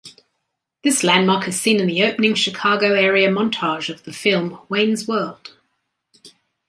This landmark is seen in the opening Chicago-area montage of the film "Wayne's World".